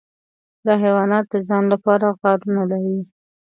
دا حیوان د ځان لپاره غارونه لري.